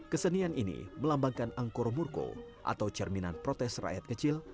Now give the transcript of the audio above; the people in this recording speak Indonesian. kesenian ini melambangkan angkoromurko atau cerminan protes rakyat kecil